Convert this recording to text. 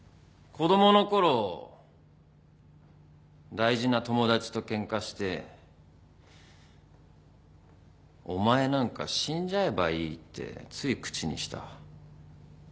子供のころ大事な友達とケンカして「お前なんか死んじゃえばいい」ってつい口にした。